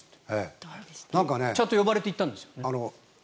ちゃんと呼ばれて行ったんですよね？